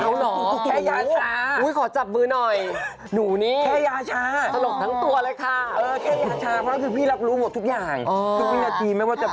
เอาเหรอแค่ยาชา